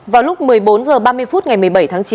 vào lúc một mươi bốn h ba mươi phút ngày một mươi bảy tháng chín